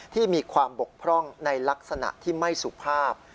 ที่มีความบกพร่องในลักษณะที่ไม่สุภาพ